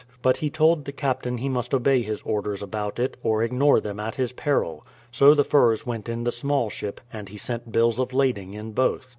But he told the captain he must obey his orders about it, or ignore them at his peril. So the furs went in the small ship, and he sent bills of lading in both.